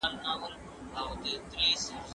نوې د ایمل او دریاخان حماسه ولیکه